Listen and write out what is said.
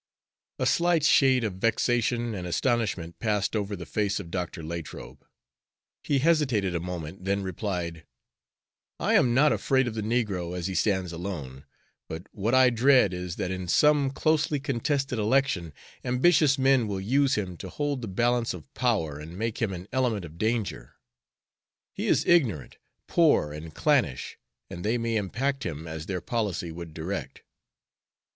A slight shade of vexation and astonishment passed over the face of Dr. Latrobe. He hesitated a moment, then replied: "I am not afraid of the negro as he stands alone, but what I dread is that in some closely contested election ambitious men will use him to hold the balance of power and make him an element of danger. He is ignorant, poor, and clannish, and they may impact him as their policy would direct."